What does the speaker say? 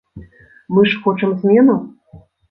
Мы ж хочам зменаў?